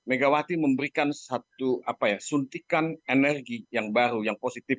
megawati memberikan satu suntikan energi yang baru yang positif